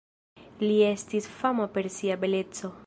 Li estis fama per sia beleco.